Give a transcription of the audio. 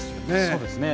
そうですね。